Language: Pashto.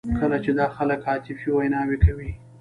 کله چې دا خلک عاطفي ویناوې کوي.